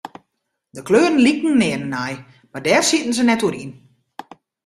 De kleuren liken nearne nei, mar dêr sieten se net oer yn.